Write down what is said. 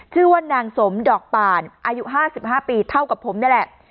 ชื่อว่านางสมดอกป่านอายุ๕๕ปีเท่ากับผมนี่แหละ